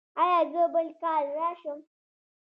ایا زه بل کال راشم؟